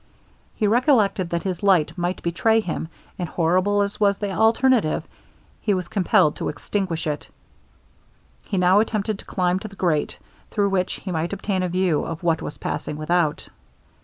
He recollected that his light might betray him; and horrible as was the alternative, he was compelled to extinguish it. He now attempted to climb to the grate, through which he might obtain a view of what was passing without.